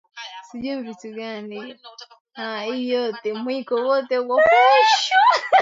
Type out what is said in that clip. Nilipoteza picha yangu ya kwanza